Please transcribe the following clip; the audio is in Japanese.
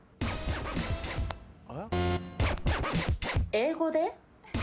英語で？